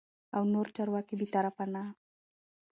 او نور چارواکي بې طرفانه